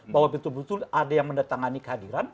bahwa betul betul ada yang mendatangani kehadiran